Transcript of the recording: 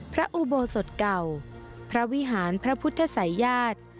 พระอุโบสถเก่าพระวิหารพระพุทธศัยญาติ